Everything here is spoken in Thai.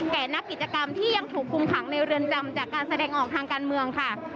นักกิจกรรมที่ยังถูกคุมขังในเรือนจำจากการแสดงออกทางการเมืองค่ะ